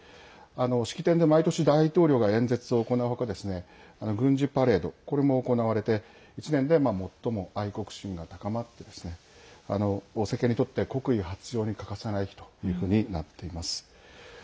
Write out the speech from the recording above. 式典で毎年大統領が演説を行うほか軍事パレード、これも行われて１年で最も愛国心が高まって政権にとって国威発揚に欠かせない日というふうになっています。